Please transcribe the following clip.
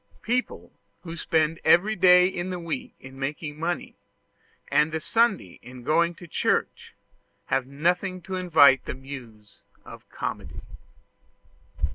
People who spend every day in the week in making money, and the Sunday in going to church, have nothing to invite the muse of Comedy.